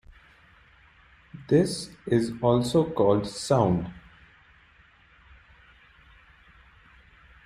This is also called sound.